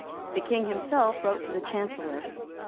The King himself wrote to the Chancellor.